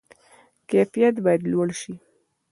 کیفیت باید لوړ شي